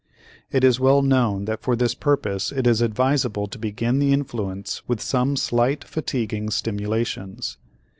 It is well known that for this purpose it is advisable to begin the influence with some slight fatiguing stimulations.